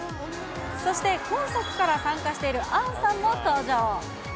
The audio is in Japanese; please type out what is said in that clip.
そして、今作から参加している杏さんも登場。